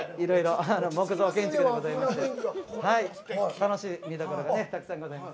木造建築ですので楽しい見どころがたくさんございます。